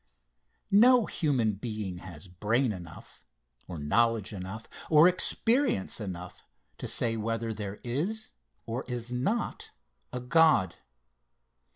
No human being has brain enough, or knowledge enough, or experience enough, to say whether there is, or is not, a God.